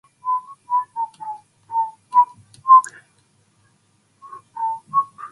Forbes also designs various celebrity charity parties, and food product presentations.